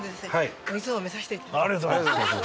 ありがとうございます。